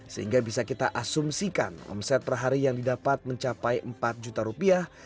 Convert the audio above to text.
sehingga bisa kita asumsikan omset per hari yang didapat mencapai empat juta rupiah